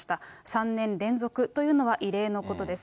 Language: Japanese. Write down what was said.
３年連続というのは異例のことです。